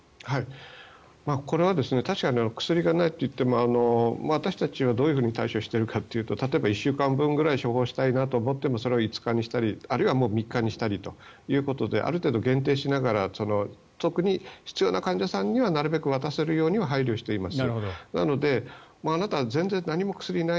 これは確かに薬がないといっても私たちがどう対処しているかというと例えば、１週間分ぐらい処方したいと思ってもそれを５日にしたり、あるいは３日にしたりということである程度限定しながら特に必要な患者さんにはなるべく渡せるように配慮しています。